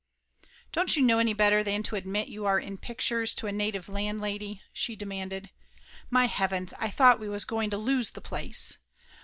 "Don't you know any better than to admit you are in pictures to a native landlady ?" she demanded. "My heavens, I thought we was going to lose the place!